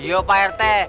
iya pak rete